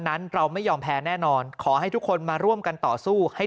นั้นเราไม่ยอมแพ้แน่นอนขอให้ทุกคนมาร่วมกันต่อสู้ให้